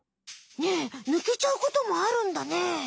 ねえぬけちゃうこともあるんだね。